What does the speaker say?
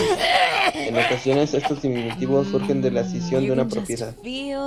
En ocasiones, estos diminutivos surgen de la escisión de una propiedad.